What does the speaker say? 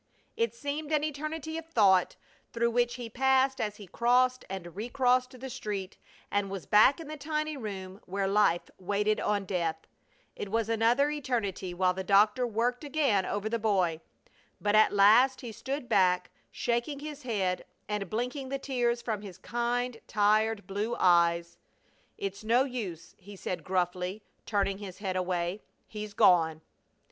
It seemed an eternity of thought through which he passed as he crossed and recrossed the street and was back in the tiny room where life waited on death. It was another eternity while the doctor worked again over the boy. But at last he stood back, shaking his head and blinking the tears from his kind, tired, blue eyes. "It's no use," he said, gruffly, turning his head away. "He's gone!"